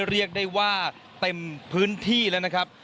เรียกได้ว่าเต็มพื้นที่แล้วนะครับ